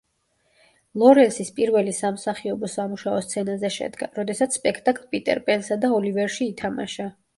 ლორენსის პირველი სამსახიობო სამუშაო სცენაზე შედგა, როდესაც სპექტაკლ პიტერ პენსა და ოლივერში ითამაშა.